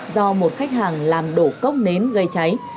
do một khách hàng làm đổ cốc nến gây cháy